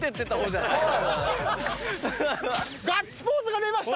ガッツポーズが出ました！